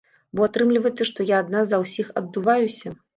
Бо атрымліваецца, што я адна за ўсіх аддуваюся.